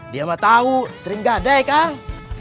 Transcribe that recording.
dia mah tahu sering gadai kang